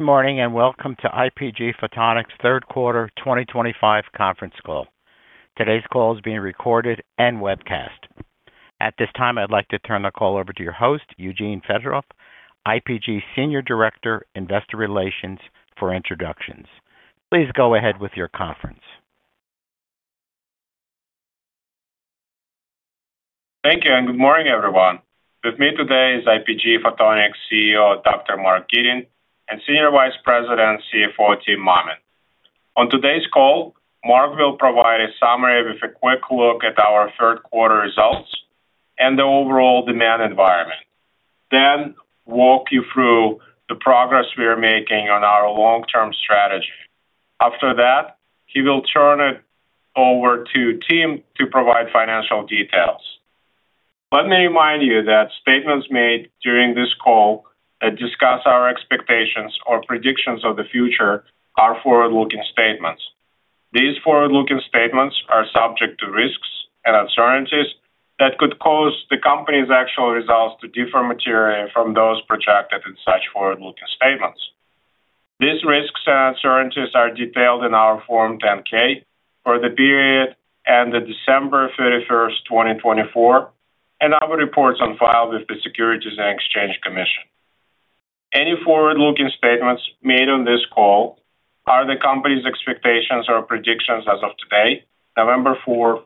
Good morning and welcome to IPG Photonics third quarter 2025 conference call. Today's call is being recorded and webcast. At this time, I'd like to turn the call over to your host, Eugene Fedotoff, IPG's Senior Director of Investor Relations, for introductions. Please go ahead with your conference. Thank you and good morning, everyone. With me today is IPG Photonics CEO, Dr. Mark Gitin, and Senior Vice President, CFO, Tim Mammen. On today's call, Mark will provide a summary with a quick look at our third quarter results and the overall demand environment. Then walk you through the progress we are making on our long-term strategy. After that, he will turn it over to Tim to provide financial details. Let me remind you that statements made during this call that discuss our expectations or predictions of the future are forward-looking statements. These forward-looking statements are subject to risks and uncertainties that could cause the company's actual results to differ materially from those projected in such forward-looking statements. These risks and uncertainties are detailed in our Form 10-K for the period ended December 31st, 2024, and our reports on file with the Securities and Exchange Commission. Any forward-looking statements made on this call are the company's expectations or predictions as of today, November 4th,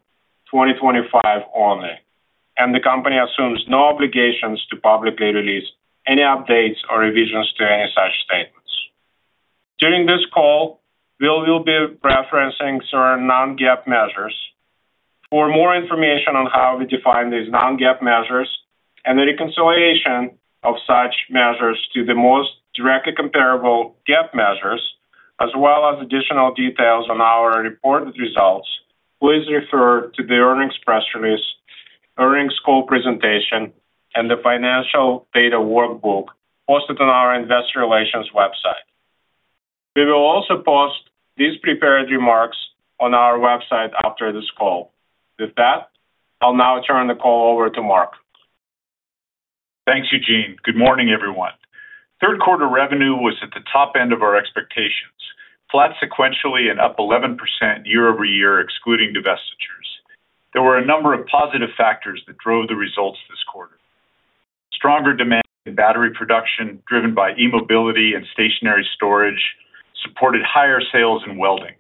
2025, only, and the company assumes no obligations to publicly release any updates or revisions to any such statements. During this call, we will be referencing certain non-GAAP measures. For more information on how we define these non-GAAP measures and the reconciliation of such measures to the most directly comparable GAAP measures, as well as additional details on our reported results, please refer to the earnings press release, earnings call presentation, and the financial data workbook posted on our Investor Relations website. We will also post these prepared remarks on our website after this call. With that, I'll now turn the call over to Mark. Thanks, Eugene. Good morning, everyone. Third quarter revenue was at the top end of our expectations, flat sequentially and up 11% year-over-year, excluding divestitures. There were a number of positive factors that drove the results this quarter. Stronger demand in battery production, driven by e-mobility and stationary storage, supported higher sales in welding.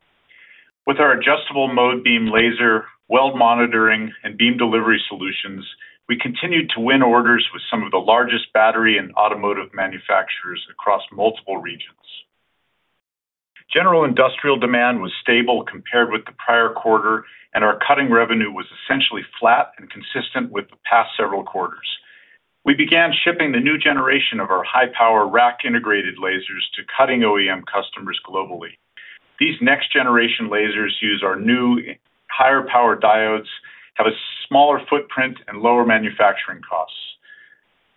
With our Adjustable Mode Beam Laser, weld monitoring, and beam delivery solutions, we continued to win orders with some of the largest battery and automotive manufacturers across multiple regions. General industrial demand was stable compared with the prior quarter, and our cutting revenue was essentially flat and consistent with the past several quarters. We began shipping the new generation of our high-power rack-integrated lasers to cutting OEM customers globally. These next-generation lasers use our new higher-power diodes, have a smaller footprint, and lower manufacturing costs.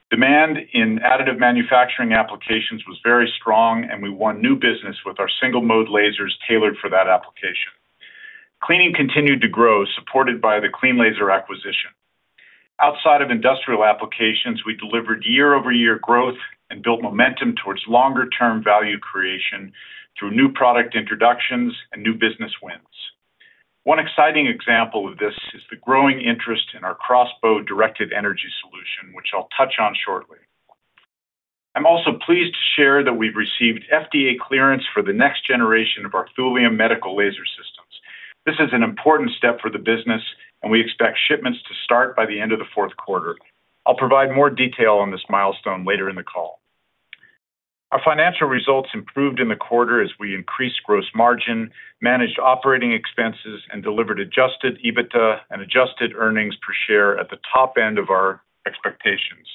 Demand in additive manufacturing applications was very strong, and we won new business with our single-mode lasers tailored for that application. Cleaning continued to grow, supported by the cleanLASER acquisition. Outside of industrial applications, we delivered year-over-year growth and built momentum towards longer-term value creation through new product introductions and new business wins. One exciting example of this is the growing interest in our CROSSBOW directed energy solution, which I'll touch on shortly. I'm also pleased to share that we've received FDA clearance for the next generation of our Thulium medical laser systems. This is an important step for the business, and we expect shipments to start by the end of the fourth quarter. I'll provide more detail on this milestone later in the call. Our financial results improved in the quarter as we increased gross margin, managed operating expenses, and delivered Adjusted EBITDA and adjusted earnings per share at the top end of our expectations.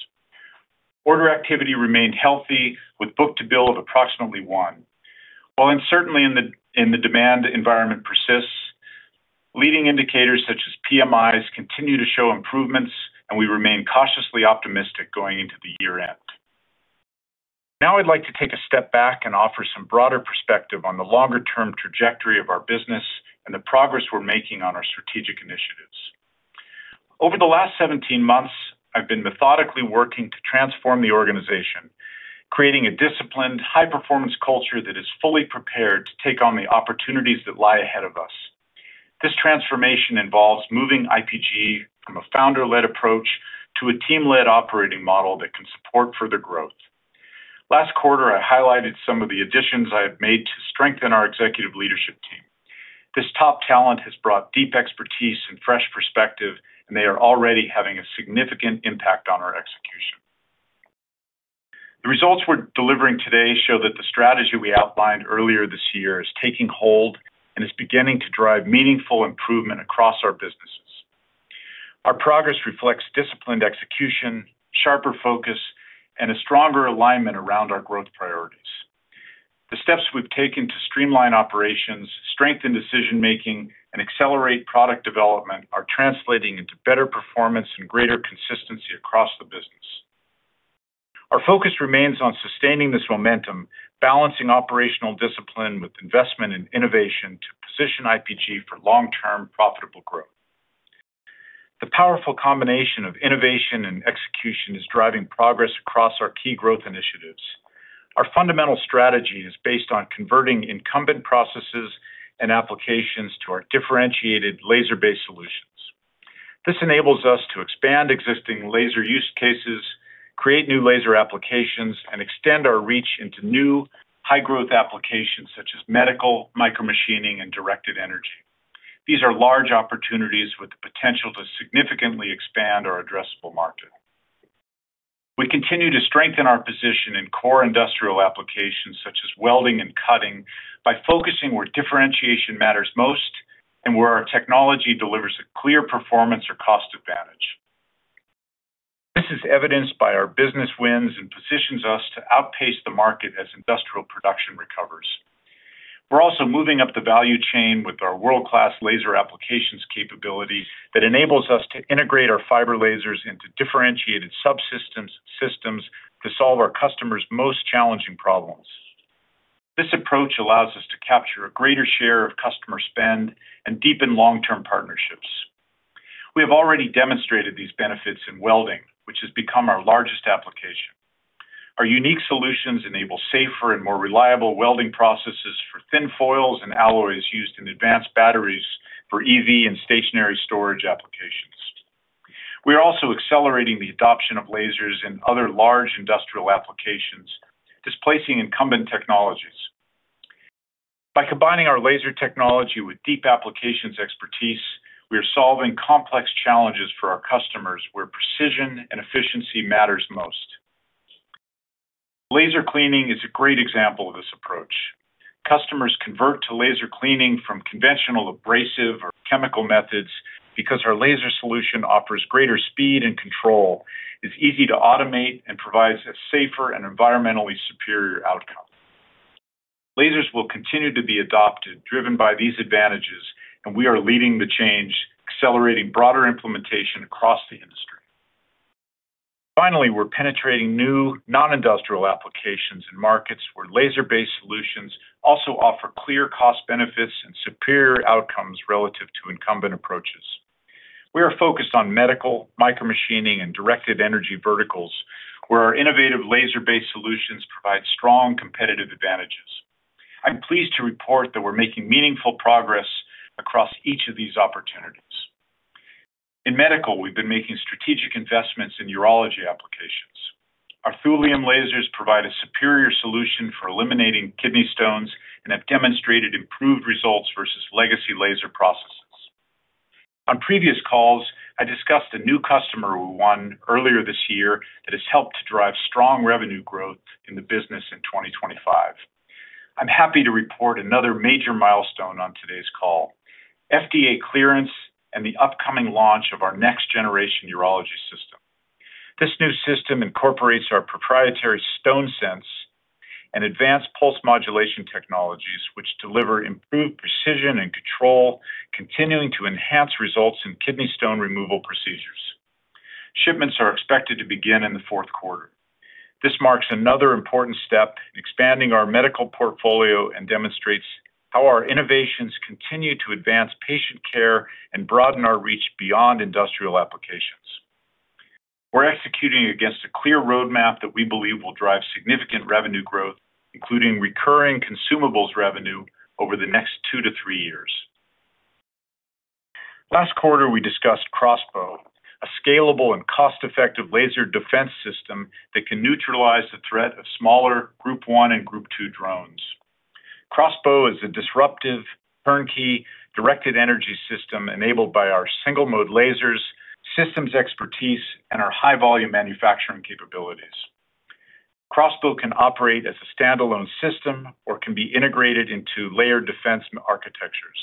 Order activity remained healthy, with book-to-bill of approximately one. While uncertainty in the demand environment persists, leading indicators such as PMIs continue to show improvements, and we remain cautiously optimistic going into the year-end. Now I'd like to take a step back and offer some broader perspective on the longer-term trajectory of our business and the progress we're making on our strategic initiatives. Over the last 17 months, I've been methodically working to transform the organization, creating a disciplined, high-performance culture that is fully prepared to take on the opportunities that lie ahead of us. This transformation involves moving IPG from a founder-led approach to a team-led operating model that can support further growth. Last quarter, I highlighted some of the additions I have made to strengthen our executive leadership team. This top talent has brought deep expertise and fresh perspective, and they are already having a significant impact on our execution. The results we're delivering today show that the strategy we outlined earlier this year is taking hold and is beginning to drive meaningful improvement across our businesses. Our progress reflects disciplined execution, sharper focus, and a stronger alignment around our growth priorities. The steps we've taken to streamline operations, strengthen decision-making, and accelerate product development are translating into better performance and greater consistency across the business. Our focus remains on sustaining this momentum, balancing operational discipline with investment and innovation to position IPG for long-term profitable growth. The powerful combination of innovation and execution is driving progress across our key growth initiatives. Our fundamental strategy is based on converting incumbent processes and applications to our differentiated laser-based solutions. This enables us to expand existing laser use cases, create new laser applications, and extend our reach into new high-growth applications such as medical, micro-machining, and directed energy. These are large opportunities with the potential to significantly expand our addressable market. We continue to strengthen our position in core industrial applications such as welding and cutting by focusing where differentiation matters most and where our technology delivers a clear performance or cost advantage. This is evidenced by our business wins and positions us to outpace the market as industrial production recovers. We're also moving up the value chain with our world-class laser applications capabilities that enables us to integrate our fiber lasers into differentiated subsystems to solve our customers' most challenging problems. This approach allows us to capture a greater share of customer spend and deepen long-term partnerships. We have already demonstrated these benefits in welding, which has become our largest application. Our unique solutions enable safer and more reliable welding processes for thin foils and alloys used in advanced batteries for EV and stationary storage applications. We are also accelerating the adoption of lasers in other large industrial applications, displacing incumbent technologies. By combining our laser technology with deep applications expertise, we are solving complex challenges for our customers where precision and efficiency matters most. Laser cleaning is a great example of this approach. Customers convert to laser cleaning from conventional abrasive or chemical methods because our laser solution offers greater speed and control, is easy to automate, and provides a safer and environmentally superior outcome. Lasers will continue to be adopted, driven by these advantages, and we are leading the change, accelerating broader implementation across the industry. Finally, we're penetrating new non-industrial applications in markets where laser-based solutions also offer clear cost benefits and superior outcomes relative to incumbent approaches. We are focused on medical, micro-machining, and directed energy verticals where our innovative laser-based solutions provide strong competitive advantages. I'm pleased to report that we're making meaningful progress across each of these opportunities. In medical, we've been making strategic investments in urology applications. Our Thulium lasers provide a superior solution for eliminating kidney stones and have demonstrated improved results versus legacy laser processes. On previous calls, I discussed a new customer we won earlier this year that has helped to drive strong revenue growth in the business in 2025. I'm happy to report another major milestone on today's call: FDA clearance and the upcoming launch of our next-generation urology system. This new system incorporates our proprietary StoneSense and advanced pulse modulation technologies, which deliver improved precision and control, continuing to enhance results in kidney stone removal procedures. Shipments are expected to begin in the fourth quarter. This marks another important step in expanding our medical portfolio and demonstrates how our innovations continue to advance patient care and broaden our reach beyond industrial applications. We're executing against a clear roadmap that we believe will drive significant revenue growth, including recurring consumables revenue over the next two to three years. Last quarter, we discussed CROSSBOW, a scalable and cost-effective laser defense system that can neutralize the threat of smaller Group 1 and Group 2 drones. CROSSBOW is a disruptive turnkey directed energy system enabled by our single-mode lasers, systems expertise, and our high-volume manufacturing capabilities. CROSSBOW can operate as a standalone system or can be integrated into layered defense architectures.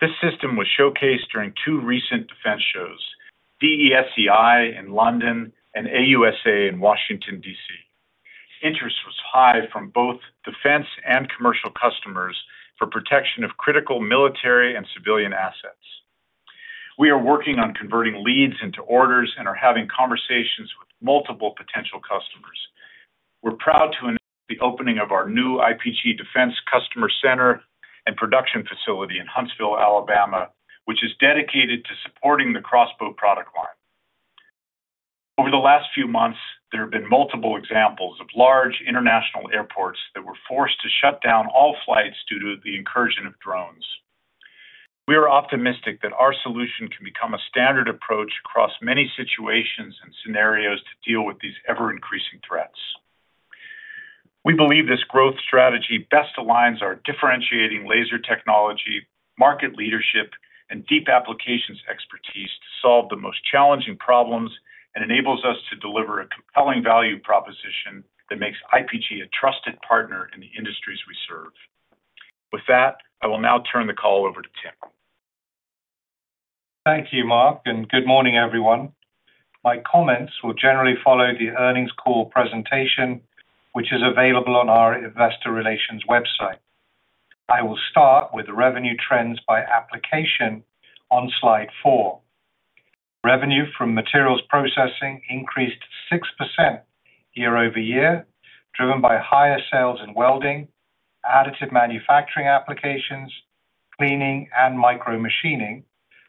This system was showcased during two recent defense shows, DSEI in London and AUSA in Washington, D.C. Interest was high from both defense and commercial customers for protection of critical military and civilian assets. We are working on converting leads into orders and are having conversations with multiple potential customers. We're proud to announce the opening of our new IPG Defense Customer Center and production facility in Huntsville, Alabama, which is dedicated to supporting the CROSSBOW product line. Over the last few months, there have been multiple examples of large international airports that were forced to shut down all flights due to the incursion of drones. We are optimistic that our solution can become a standard approach across many situations and scenarios to deal with these ever-increasing threats. We believe this growth strategy best aligns our differentiating laser technology, market leadership, and deep applications expertise to solve the most challenging problems and enables us to deliver a compelling value proposition that makes IPG a trusted partner in the industries we serve. With that, I will now turn the call over to Tim. Thank you, Mark, and good morning, everyone. My comments will generally follow the earnings call presentation, which is available on our Investor Relations website. I will start with the revenue trends by application on slide four. Revenue from materials processing increased 6% year-over-year, driven by higher sales in welding, additive manufacturing applications, cleaning, and micro-machining,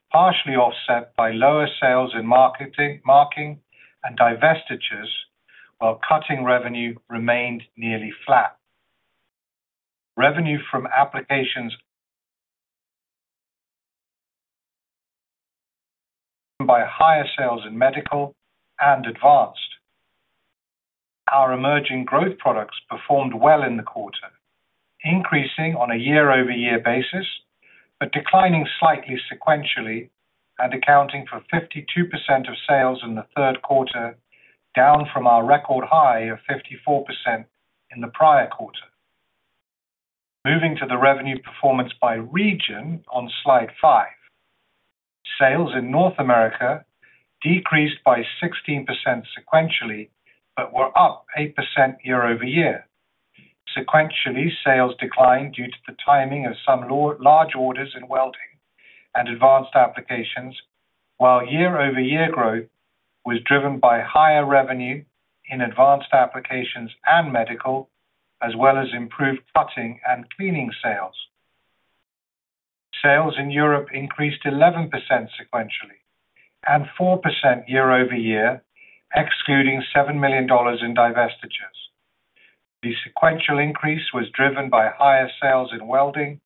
partially offset by lower sales in marking and divestitures, while cutting revenue remained nearly flat. Revenue from other applications increased, driven by higher sales in medical and advanced applications. Our emerging growth products performed well in the quarter, increasing on a year-over-year basis, but declining slightly sequentially and accounting for 52% of sales in the third quarter, down from our record high of 54% in the prior quarter. Moving to the revenue performance by region on slide five. Sales in North America decreased by 16% sequentially, but were up 8% year-over-year. Sequentially, sales declined due to the timing of some large orders in welding and advanced applications, while year-over-year growth was driven by higher revenue in advanced applications and medical, as well as improved cutting and cleaning sales. Sales in Europe increased 11% sequentially and 4% year-over-year, excluding $7 million in divestitures. The sequential increase was driven by higher sales in welding,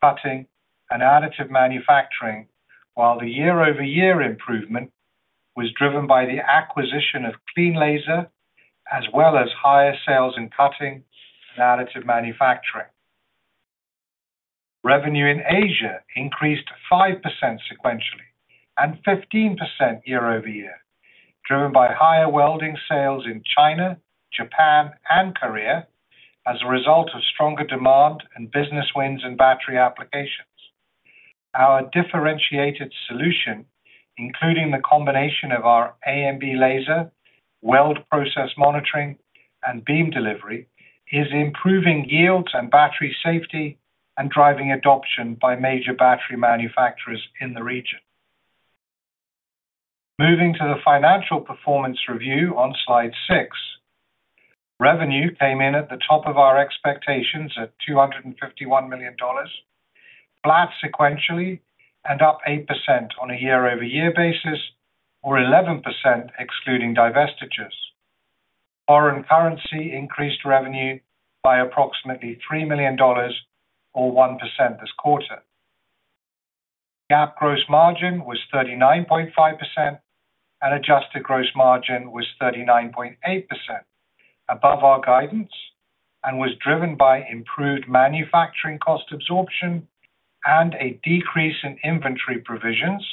cutting, and additive manufacturing, while the year-over-year improvement was driven by the acquisition of cleanLASER, as well as higher sales in cutting and additive manufacturing. Revenue in Asia increased 5% sequentially and 15% year-over-year, driven by higher welding sales in China, Japan, and Korea as a result of stronger demand and business wins in battery applications. Our differentiated solution, including the combination of our AMB laser, weld process monitoring, and beam delivery, is improving yields and battery safety and driving adoption by major battery manufacturers in the region. Moving to the financial performance review on slide six. Revenue came in at the top of our expectations at $251 million, flat sequentially and up 8% on a year-over-year basis, or 11% excluding divestitures. Foreign currency increased revenue by approximately $3 million, or 1% this quarter. GAAP gross margin was 39.5%, and adjusted gross margin was 39.8%, above our guidance and was driven by improved manufacturing cost absorption and a decrease in inventory provisions,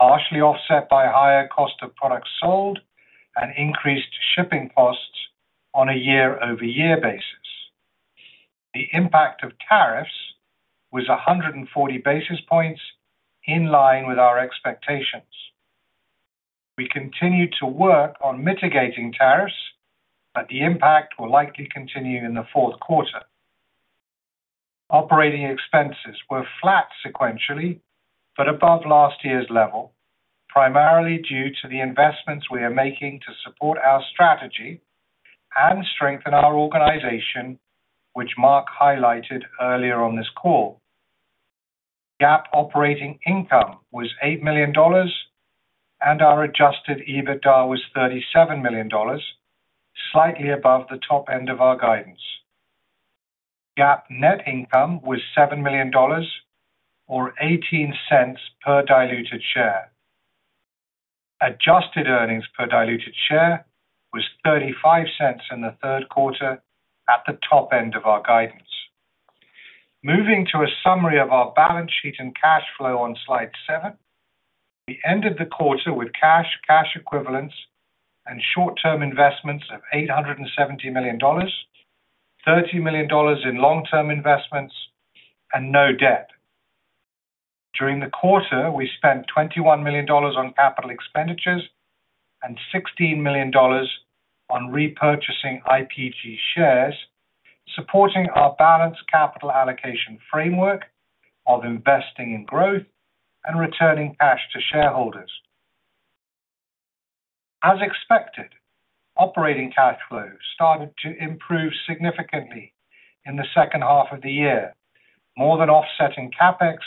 partially offset by higher cost of products sold and increased shipping costs on a year-over-year basis. The impact of tariffs was 140 basis points, in line with our expectations. We continue to work on mitigating tariffs, but the impact will likely continue in the fourth quarter. Operating expenses were flat sequentially, but above last year's level, primarily due to the investments we are making to support our strategy and strengthen our organization, which Mark highlighted earlier on this call. GAAP operating income was $8 million, and our adjusted EBITDA was $37 million, slightly above the top end of our guidance. GAAP net income was $7 million, or $0.18 per diluted share. Adjusted earnings per diluted share was $0.35 in the third quarter, at the top end of our guidance. Moving to a summary of our balance sheet and cash flow on slide seven, we ended the quarter with cash, cash equivalents, and short-term investments of $870 million, $30 million in long-term investments, and no debt. During the quarter, we spent $21 million on capital expenditures and $16 million on repurchasing IPG shares, supporting our balanced capital allocation framework of investing in growth and returning cash to shareholders. As expected, operating cash flow started to improve significantly in the second half of the year, more than offsetting CapEx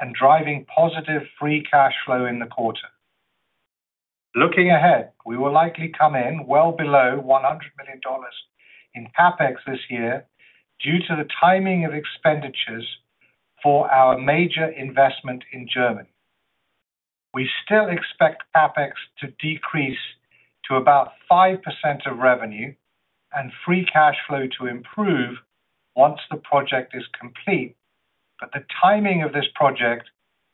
and driving positive free cash flow in the quarter. Looking ahead, we will likely come in well below $100 million in CapEx this year due to the timing of expenditures for our major investment in Germany. We still expect CapEx to decrease to about 5% of revenue and free cash flow to improve once the project is complete, but the timing of this project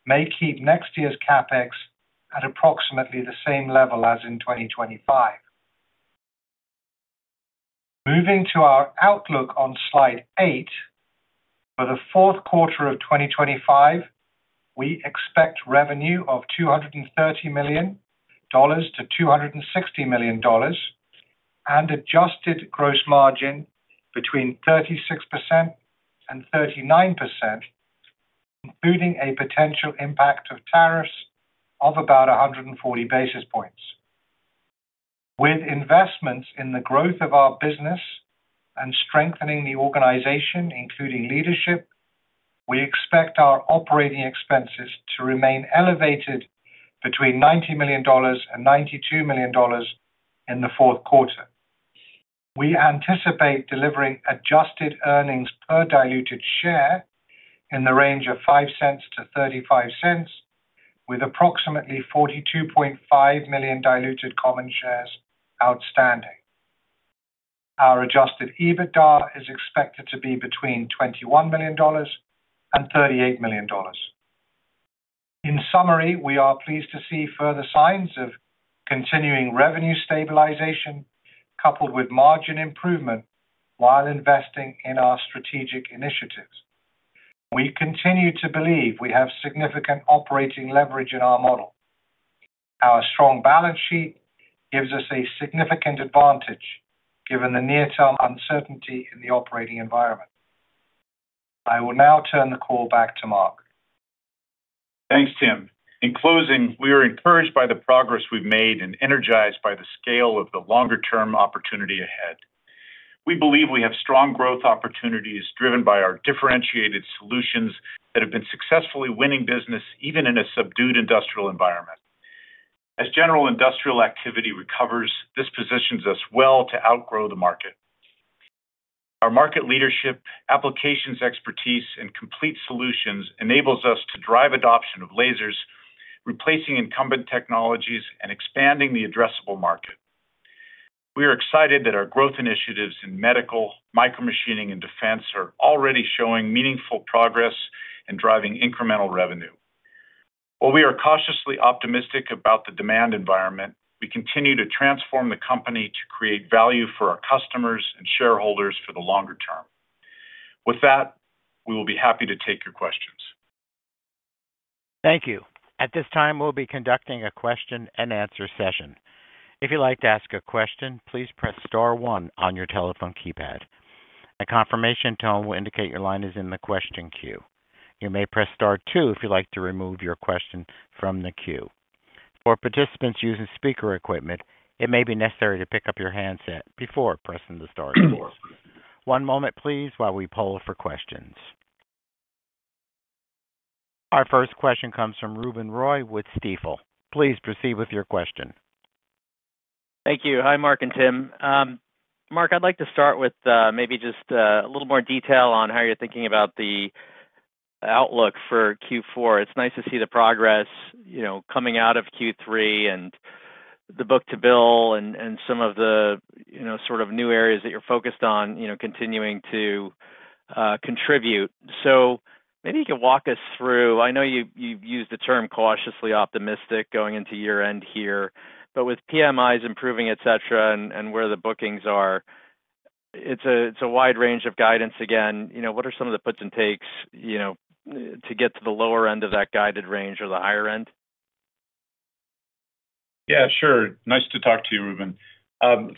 may keep next year's CapEx at approximately the same level as in 2025. Moving to our outlook on slide eight for the fourth quarter of 2025, we expect revenue of $230 million-$260 million and adjusted gross margin between 36% and 39%, including a potential impact of tariffs of about 140 basis points. With investments in the growth of our business and strengthening the organization, including leadership, we expect our operating expenses to remain elevated between $90 million and $92 million in the fourth quarter. We anticipate delivering adjusted earnings per diluted share in the range of $0.05-$0.35, with approximately 42.5 million diluted common shares outstanding. Our Adjusted EBITDA is expected to be between $21 million and $38 million. In summary, we are pleased to see further signs of continuing revenue stabilization coupled with margin improvement while investing in our strategic initiatives. We continue to believe we have significant operating leverage in our model. Our strong balance sheet gives us a significant advantage given the near-term uncertainty in the operating environment. I will now turn the call back to Mark. Thanks, Tim. In closing, we are encouraged by the progress we've made and energized by the scale of the longer-term opportunity ahead. We believe we have strong growth opportunities driven by our differentiated solutions that have been successfully winning business even in a subdued industrial environment. As general industrial activity recovers, this positions us well to outgrow the market. Our market leadership, applications expertise, and complete solutions enable us to drive adoption of lasers, replacing incumbent technologies, and expanding the addressable market. We are excited that our growth initiatives in medical, micro-machining, and defense are already showing meaningful progress and driving incremental revenue. While we are cautiously optimistic about the demand environment, we continue to transform the company to create value for our customers and shareholders for the longer term. With that, we will be happy to take your questions. Thank you. At this time, we'll be conducting a question-and-answer session. If you'd like to ask a question, please press star one on your telephone keypad. A confirmation tone will indicate your line is in the question queue. You may press star two if you'd like to remove your question from the queue. For participants using speaker equipment, it may be necessary to pick up your handset before pressing the star two. One moment, please, while we poll for questions. Our first question comes from Ruben Roy with Stifel. Please proceed with your question. Thank you. Hi, Mark and Tim. Mark, I'd like to start with maybe just a little more detail on how you're thinking about the outlook for Q4. It's nice to see the progress coming out of Q3 and the book-to-bill and some of the sort of new areas that you're focused on continuing to contribute. So maybe you could walk us through. I know you've used the term cautiously optimistic going into year-end here, but with PMIs improving, etc., and where the bookings are, it's a wide range of guidance again. What are some of the puts and takes to get to the lower end of that guided range or the higher end? Yeah, sure. Nice to talk to you, Ruben.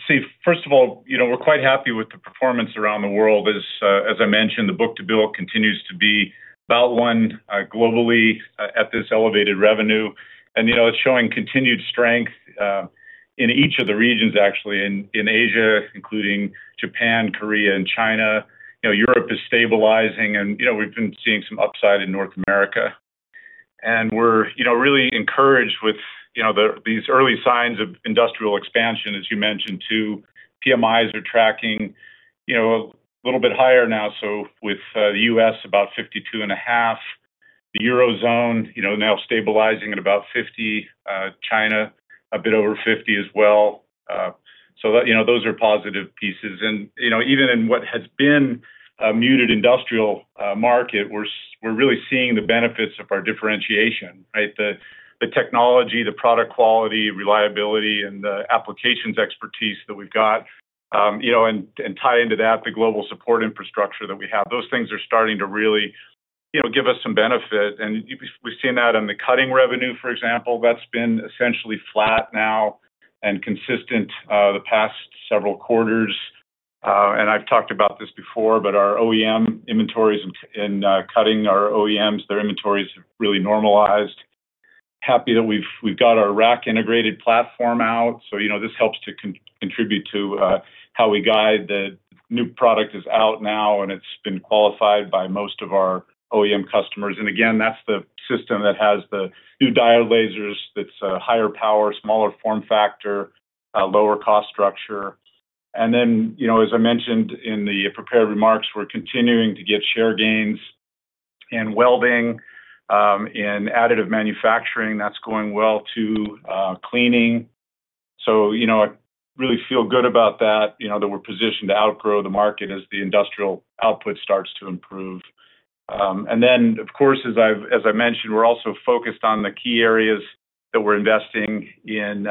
See, first of all, we're quite happy with the performance around the world. As I mentioned, the book-to-bill continues to be about one globally at this elevated revenue, and it's showing continued strength in each of the regions, actually, in Asia, including Japan, Korea, and China. Europe is stabilizing, and we've been seeing some upside in North America, and we're really encouraged with these early signs of industrial expansion, as you mentioned, too. PMIs are tracking a little bit higher now, so with the U.S. about 52.5%, the Eurozone now stabilizing at about 50%, China a bit over 50% as well. So those are positive pieces, and even in what has been a muted industrial market, we're really seeing the benefits of our differentiation, right? The technology, the product quality, reliability, and the applications expertise that we've got, and tie into that the global support infrastructure that we have. Those things are starting to really give us some benefit, and we've seen that in the cutting revenue, for example. That's been essentially flat now and consistent the past several quarters. And I've talked about this before, but our OEM inventories in cutting our OEMs, their inventories have really normalized. Happy that we've got our rack-integrated platform out, so this helps to contribute to how we guide. The new product is out now, and it's been qualified by most of our OEM customers. And again, that's the system that has the new diode lasers that's a higher power, smaller form factor, lower cost structure. And then, as I mentioned in the prepared remarks, we're continuing to get share gains in welding, in additive manufacturing. That's going well to cleaning, so really feel good about that, that we're positioned to outgrow the market as the industrial output starts to improve. And then, of course, as I mentioned, we're also focused on the key areas that we're investing in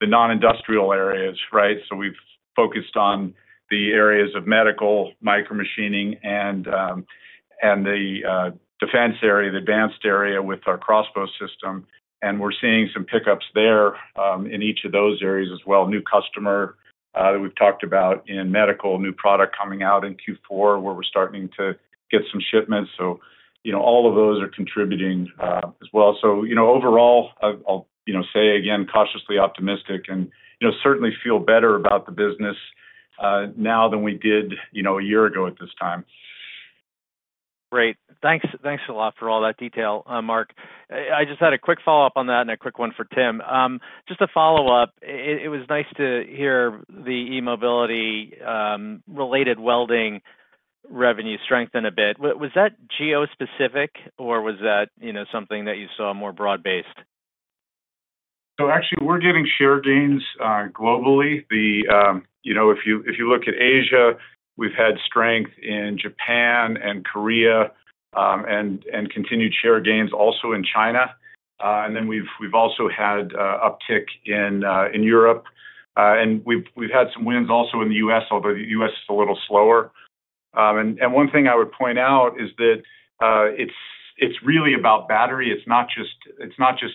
the non-industrial areas, right? So we've focused on the areas of medical, micro-machining, and the defense area, the advanced area with our CROSSBOW system. And we're seeing some pickups there in each of those areas as well. New customer that we've talked about in medical, new product coming out in Q4 where we're starting to get some shipments, so all of those are contributing as well. So overall, I'll say again, cautiously optimistic and certainly feel better about the business now than we did a year ago at this time. Great. Thanks a lot for all that detail, Mark. I just had a quick follow-up on that and a quick one for Tim. Just a follow-up. It was nice to hear the e-mobility-related welding revenue strengthen a bit. Was that geo-specific, or was that something that you saw more broad-based? So actually, we're getting share gains globally. If you look at Asia, we've had strength in Japan and Korea. And continued share gains also in China. And then we've also had uptick in Europe. And we've had some wins also in the U.S., although the U.S. is a little slower. And one thing I would point out is that. It's really about battery. It's not just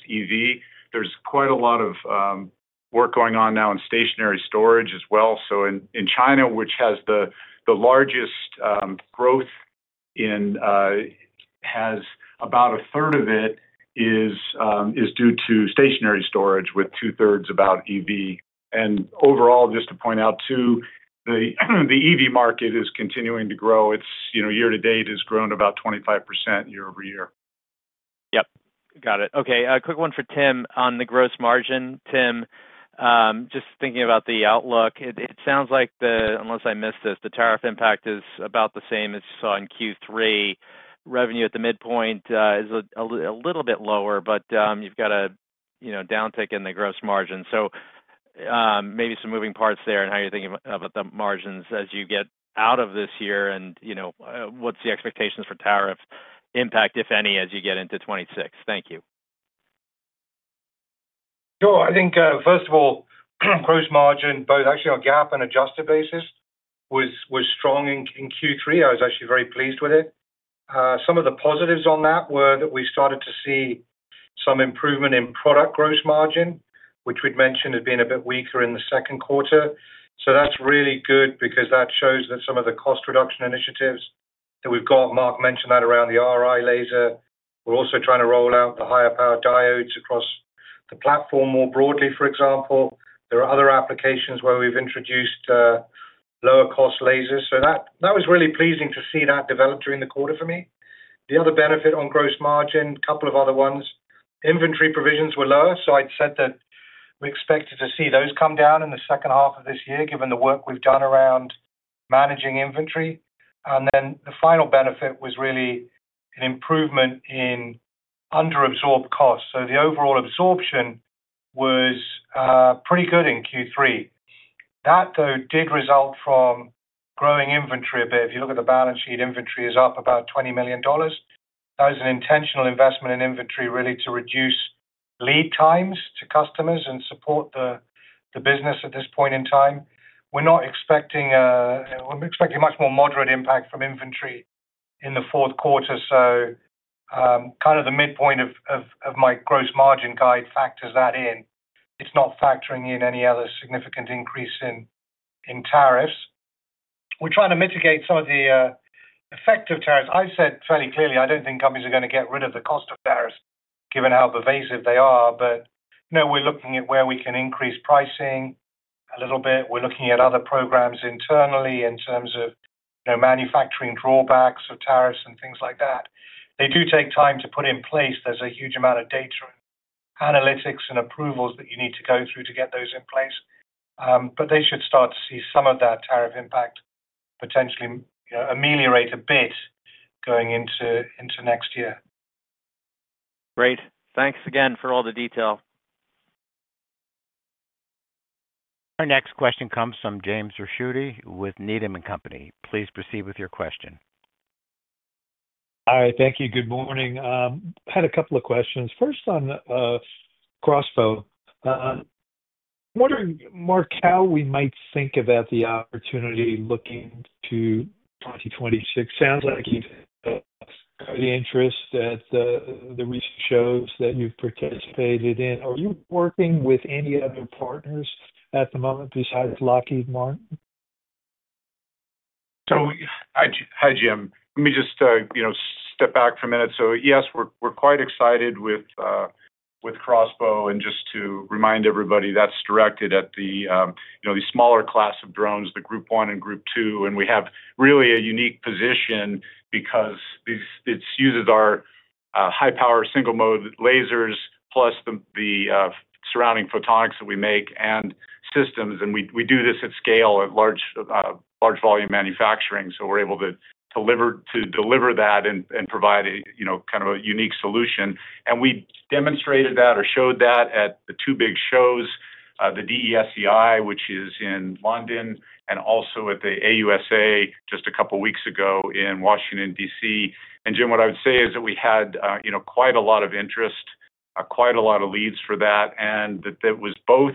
EV. There's quite a lot of work going on now in stationary storage as well. So in China, which has the largest growth in. Has about a third of it is due to stationary storage with two-thirds about EV. And overall, just to point out too, the EV market is continuing to grow. Year-to-date, it has grown about 25% year-over-year. Yep. Got it. Okay. A quick one for Tim on the gross margin. Tim. Just thinking about the outlook, it sounds like the, unless I missed this, the tariff impact is about the same as you saw in Q3. Revenue at the midpoint is a little bit lower, but you've got a downtick in the gross margin. So. Maybe some moving parts there and how you're thinking about the margins as you get out of this year and what's the expectations for tariff impact, if any, as you get into 2026. Thank you. Sure. I think, first of all, gross margin, both actually on GAAP and adjusted basis, was strong in Q3. I was actually very pleased with it. Some of the positives on that were that we started to see some improvement in product gross margin, which we'd mentioned had been a bit weaker in the second quarter. So that's really good because that shows that some of the cost reduction initiatives that we've got, Mark mentioned that around the RI laser. We're also trying to roll out the higher power diodes across the platform more broadly, for example. There are other applications where we've introduced lower-cost lasers. So that was really pleasing to see that develop during the quarter for me. The other benefit on gross margin, a couple of other ones. Inventory provisions were lower, so I'd said that we expected to see those come down in the second half of this year, given the work we've done around managing inventory. And then the final benefit was really an improvement in under-absorbed costs. So the overall absorption was pretty good in Q3. That, though, did result from growing inventory a bit. If you look at the balance sheet, inventory is up about $20 million. That was an intentional investment in inventory really to reduce lead times to customers and support the business at this point in time. We're not expecting much more moderate impact from inventory in the fourth quarter. So kind of the midpoint of my gross margin guide factors that in. It's not factoring in any other significant increase in tariffs. We're trying to mitigate some of the effective tariffs. I said fairly clearly, I don't think companies are going to get rid of the cost of tariffs given how pervasive they are, but we're looking at where we can increase pricing a little bit. We're looking at other programs internally in terms of manufacturing drawbacks of tariffs and things like that. They do take time to put in place. There's a huge amount of data, analytics and approvals that you need to go through to get those in place. But they should start to see some of that tariff impact potentially ameliorate a bit going into next year. Great. Thanks again for all the detail. Our next question comes from James Ricchiuti with Needham & Company. Please proceed with your question. Hi. Thank you. Good morning. I had a couple of questions. First on CROSSBOW. I'm wondering, Mark, how we might think about the opportunity looking to 2026. Sounds like you've got the interest that the recent shows that you've participated in. Are you working with any other partners at the moment besides Lockheed Martin? So hi, James. Let me just step back for a minute. So yes, we're quite excited with CROSSBOW And just to remind everybody, that's directed at the smaller class of drones, the Group 1 and Group 2. And we have really a unique position because it uses our high-power single-mode lasers plus the surrounding photonics that we make and systems. And we do this at scale at large volume manufacturing. So we're able to deliver that and provide kind of a unique solution. And we demonstrated that or showed that at the two big shows, the DSEI, which is in London, and also at the AUSA just a couple of weeks ago in Washington, D.C. And Jim, what I would say is that we had quite a lot of interest, quite a lot of leads for that, and that it was both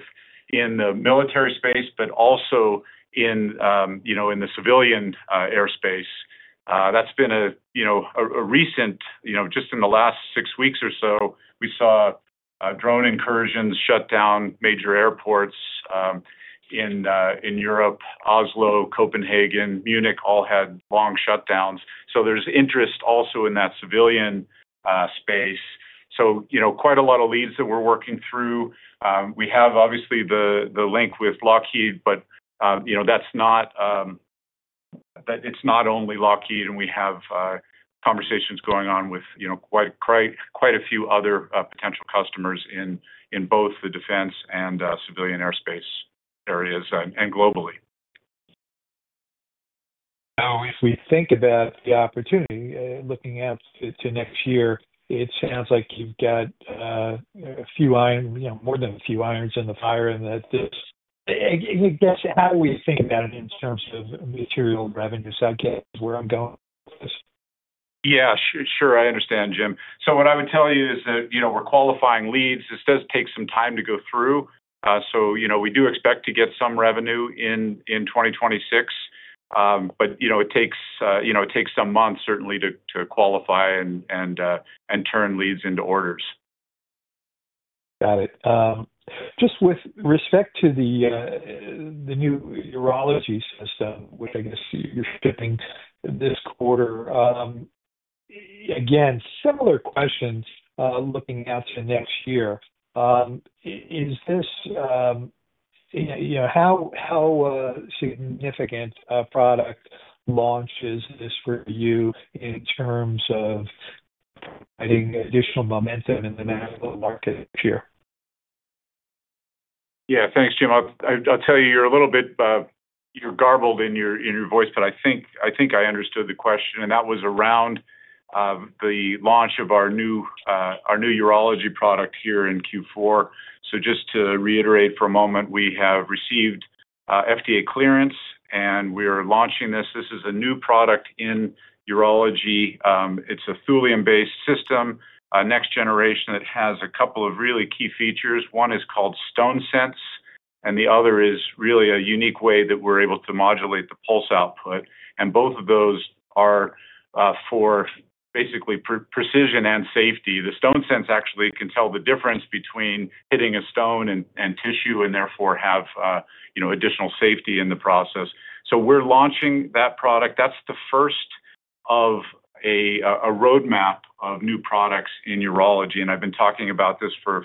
in the military space, but also in the civilian airspace. That's been a recent, just in the last six weeks or so, we saw drone incursions shut down major airports in Europe, Oslo, Copenhagen, Munich, all had long shutdowns. So there's interest also in that civilian space. So quite a lot of leads that we're working through. We have obviously the link with Lockheed, but that's not only Lockheed. And we have conversations going on with quite a few other potential customers in both the defense and civilian airspace areas and globally. Now, if we think about the opportunity looking out to next year, it sounds like you've got more than a few irons in the fire. And I guess, how do we think about it in terms of material revenue? So I guess where I'm going with this? Yeah, sure. I understand, James. So what I would tell you is that we're qualifying leads. This does take some time to go through. So we do expect to get some revenue in 2026. But it takes some months, certainly, to qualify and turn leads into orders. Got it. Just with respect to the new urology system, which I guess you're shipping this quarter. Again, similar questions looking out to next year. Is this how significant a product launch is this for you in terms of providing additional momentum in the medical market here? Yeah. Thanks, James. I'll tell you, you're a little bit garbled in your voice, but I think I understood the question. And that was around the launch of our new urology product here in Q4. So just to reiterate for a moment, we have received FDA clearance, and we are launching this. This is a new product in urology. It's a Thulium-based system, next generation, that has a couple of really key features. One is called StoneSense, and the other is really a unique way that we're able to modulate the pulse output. And both of those are for basically precision and safety. The StoneSense actually can tell the difference between hitting a stone and tissue and therefore have additional safety in the process. So we're launching that product. That's the first of a roadmap of new products in urology. And I've been talking about this for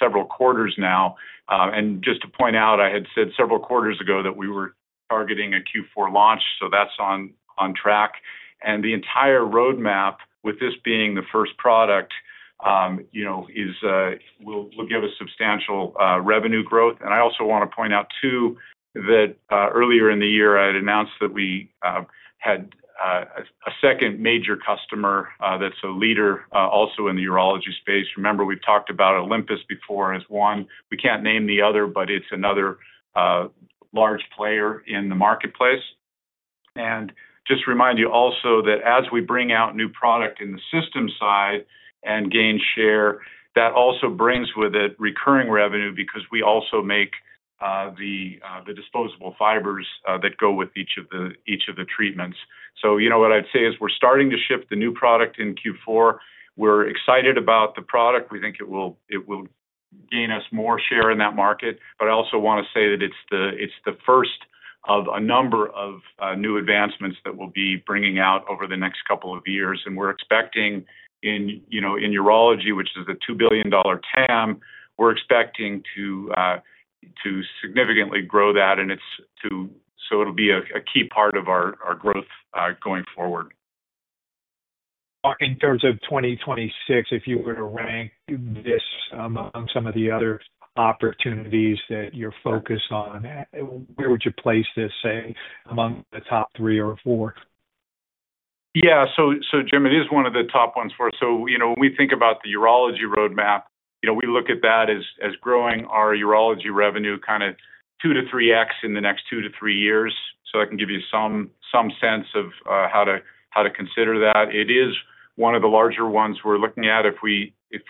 several quarters now. And just to point out, I had said several quarters ago that we were targeting a Q4 launch. So that's on track. And the entire roadmap, with this being the first product, will give us substantial revenue growth. And I also want to point out too that earlier in the year, I had announced that we had a second major customer that's a leader also in the urology space. Remember, we've talked about Olympus before as one. We can't name the other, but it's another large player in the marketplace. And just remind you also that as we bring out new product in the system side and gain share, that also brings with it recurring revenue because we also make the disposable fibers that go with each of the treatments. So what I'd say is we're starting to ship the new product in Q4. We're excited about the product. We think it will gain us more share in that market. But I also want to say that it's the first of a number of new advancements that we'll be bringing out over the next couple of years. And we're expecting in urology, which is a $2 billion TAM, we're expecting to significantly grow that. So it'll be a key part of our growth going forward. In terms of 2026, if you were to rank this among some of the other opportunities that you're focused on? Where would you place this, say, among the top three or four? Yeah. So, James, it is one of the top ones for us. So when we think about the urology roadmap, we look at that as growing our urology revenue kind of two to three X in the next two to three years. So I can give you some sense of how to consider that. It is one of the larger ones we're looking at. If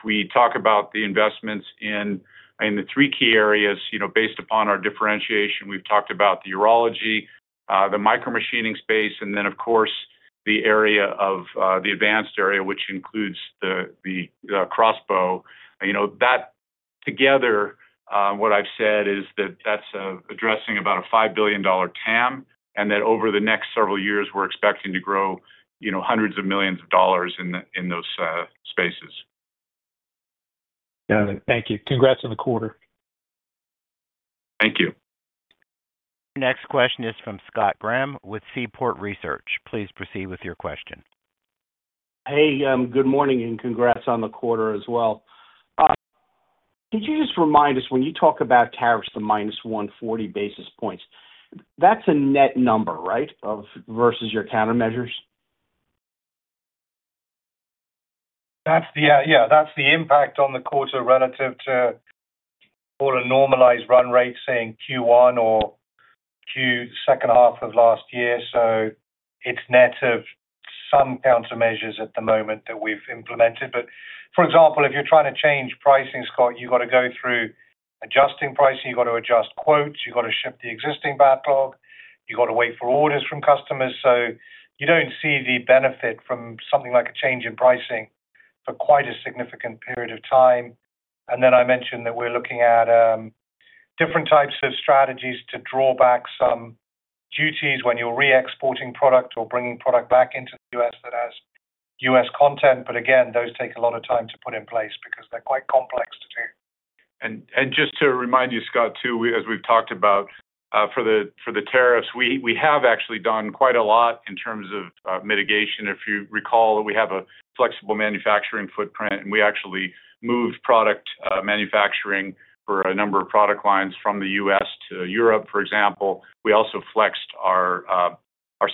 we talk about the investments in the three key areas, based upon our differentiation, we've talked about the urology, the micro-machining space, and then, of course, the advanced area, which includes the CROSSBOW. That together, what I've said is that that's addressing about a $5 billion TAM and that over the next several years, we're expecting to grow hundreds of millions of dollars in those spaces. Got it. Thank you. Congrats on the quarter. Thank you. Next question is from Scott Graham with Seaport Research Partners. Please proceed with your question. Hey, good morning and congrats on the quarter as well. Could you just remind us when you talk about tariffs, the minus 140 basis points, that's a net number, right, versus your countermeasures? Yeah. That's the impact on the quarter relative to. For a normalized run rate, saying Q1 or second half of last year. So it's net of some countermeasures at the moment that we've implemented. But for example, if you're trying to change pricing, Scott, you've got to go through adjusting pricing. You've got to adjust quotes. You've got to shift the existing backlog. You've got to wait for orders from customers. So you don't see the benefit from something like a change in pricing for quite a significant period of time. And then I mentioned that we're looking at different types of strategies to draw back some duties when you're re-exporting product or bringing product back into the U.S. that has U.S. content. But again, those take a lot of time to put in place because they're quite complex to do. And just to remind you, Scott, too, as we've talked about. For the tariffs, we have actually done quite a lot in terms of mitigation. If you recall, we have a flexible manufacturing footprint, and we actually moved product manufacturing for a number of product lines from the U.S. to Europe, for example. We also flexed our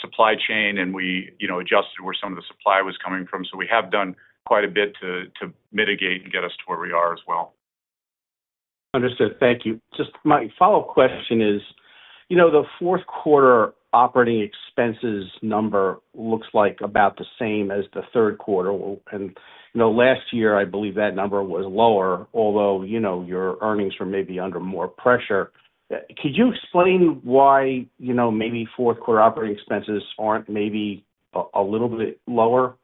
supply chain, and we adjusted where some of the supply was coming from. So we have done quite a bit to mitigate and get us to where we are as well. Understood. Thank you. Just my follow-up question is. The fourth quarter operating expenses number looks like about the same as the third quarter. And last year, I believe that number was lower, although your earnings were maybe under more pressure. Could you explain why maybe fourth quarter operating expenses aren't maybe a little bit lower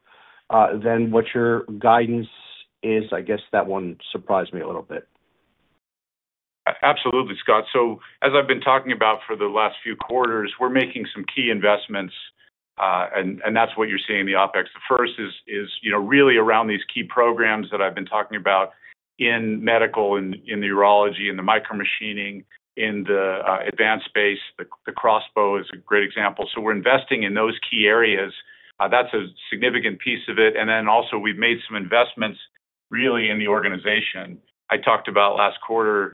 than what your guidance is? I guess that one surprised me a little bit. Absolutely, Scott. So as I've been talking about for the last few quarters, we're making some key investments. And that's what you're seeing in the OpEx. The first is really around these key programs that I've been talking about. In medical, in the urology, in the micro machining, in the advanced space. The CROSSBOW is a great example. So we're investing in those key areas. That's a significant piece of it. And then also, we've made some investments really in the organization. I talked about last quarter,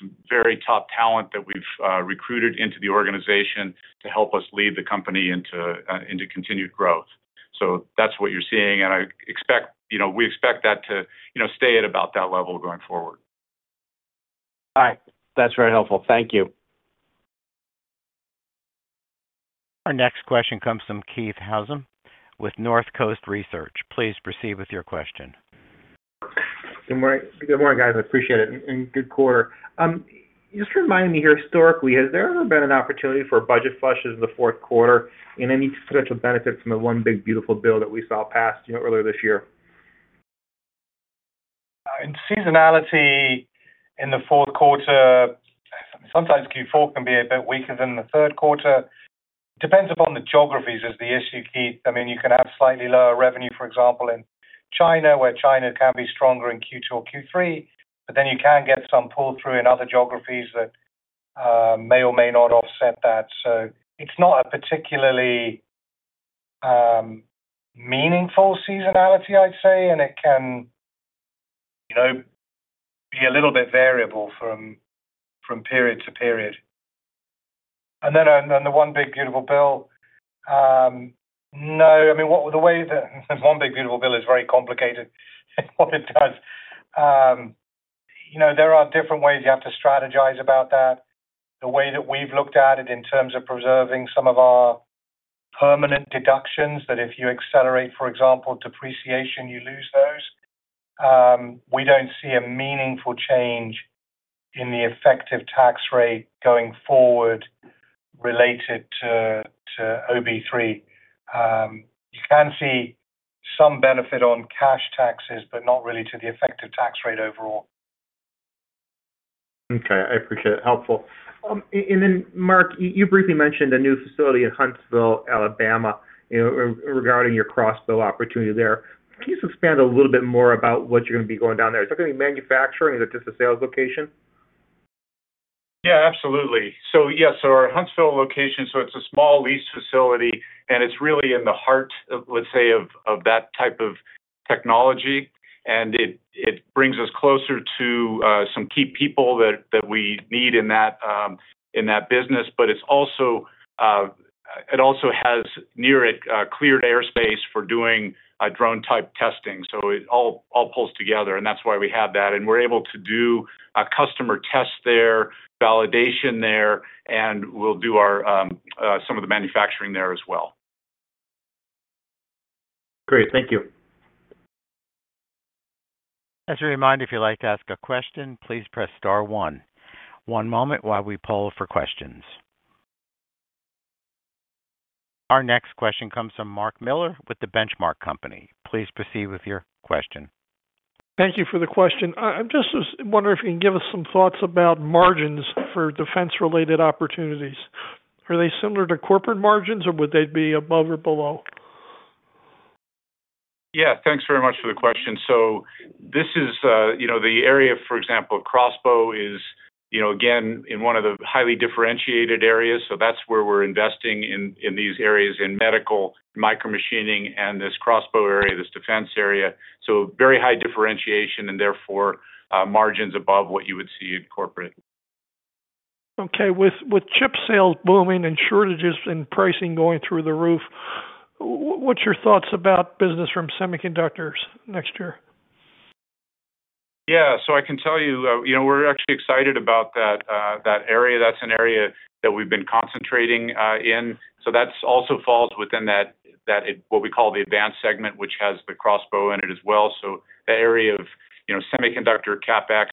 some very top talent that we've recruited into the organization to help us lead the company into continued growth. So that's what you're seeing. And we expect that to stay at about that level going forward. All right. That's very helpful. Thank you. Our next question comes from Keith Housum with Northcoast Research. Please proceed with your question. Good morning, guys. I appreciate it. And good quarter. Just remind me here, historically, has there ever been an opportunity for budget flushes in the fourth quarter and any potential benefit from the One Big Beautiful Bill that we saw passed earlier this year? On seasonality in the fourth quarter. Sometimes Q4 can be a bit weaker than the third quarter. Depends upon the geographies is the issue, Keith. I mean, you can have slightly lower revenue, for example, in China, where China can be stronger in Q2 or Q3, but then you can get some pull-through in other geographies that may or may not offset that. So it's not a particularly meaningful seasonality, I'd say, and it can be a little bit variable from period to period. Then the One Big Beautiful Bill. No. I mean, the way that One Big Beautiful Bill is very complicated in what it does. There are different ways you have to strategize about that. The way that we've looked at it in terms of preserving some of our permanent deductions, that if you accelerate, for example, depreciation, you lose those. We don't see a meaningful change in the effective tax rate going forward related to OB3. You can see some benefit on cash taxes, but not really to the effective tax rate overall. Okay. I appreciate it. Helpful. And then, Mark, you briefly mentioned a new facility in Huntsville, Alabama, regarding your CROSSBOW opportunity there. Can you just expand a little bit more about what you're going to be going down there? Is that going to be manufacturing, or is it just a sales location? Yeah, absolutely. So yes, our Huntsville location, so it's a small leased facility, and it's really in the heart, let's say, of that type of technology. And it brings us closer to some key people that we need in that business. But it also has near it cleared airspace for doing drone-type testing. So it all pulls together. And that's why we have that. And we're able to do customer tests there, validation there, and we'll do some of the manufacturing there as well. Great. Thank you. As a reminder, if you'd like to ask a question, please press star one. One moment while we poll for questions. Our next question comes from Mark Miller with the Benchmark Company. Please proceed with your question. Thank you for the question. I'm just wondering if you can give us some thoughts about margins for defense-related opportunities. Are they similar to corporate margins, or would they be above or below? Yeah. Thanks very much for the question. So this is the area, for example, CROSSBOW is, again, in one of the highly differentiated areas. So that's where we're investing in these areas in medical, micro machining, and this CROSSBOW area, this defense area. So very high differentiation and therefore margins above what you would see in corporate. Okay. With chip sales booming and shortages and pricing going through the roof, what's your thoughts about business from semiconductors next year? Yeah. So I can tell you we're actually excited about that area. That's an area that we've been concentrating in. So that also falls within that what we call the advanced segment, which has the CROSSBOW in it as well. So that area of semiconductor CapEx,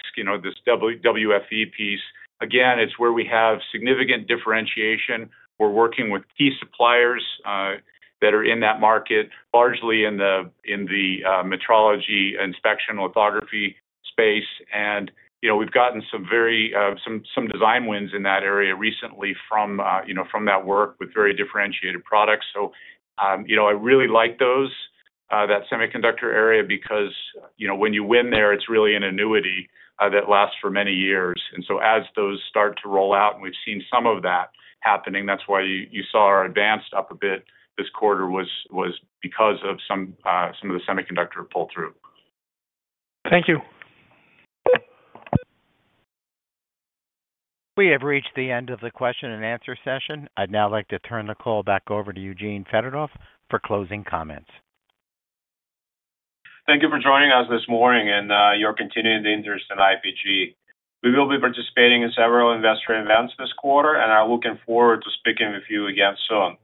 this WFE piece. Again, it's where we have significant differentiation. We're working with key suppliers that are in that market, largely in the metrology, inspection, lithography space. And we've gotten some design wins in that area recently from that work with very differentiated products. So I really like that semiconductor area because when you win there, it's really an annuity that lasts for many years. And so as those start to roll out, and we've seen some of that happening, that's why you saw our advanced up a bit this quarter was because of some of the semiconductor pull-through. Thank you. We have reached the end of the question and answer session. I'd now like to turn the call back over to Eugene Fedotoff for closing comments. Thank you for joining us this morning and your continued interest in IPG. We will be participating in several investor events this quarter and are looking forward to speaking with you again soon.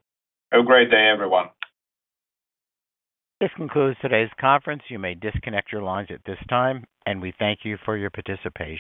Have a great day, everyone. This concludes today's conference. You may disconnect your lines at this time, and we thank you for your participation.